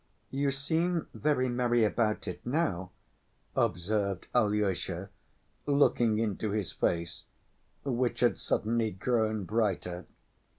"You seem very merry about it now," observed Alyosha, looking into his face, which had suddenly grown brighter.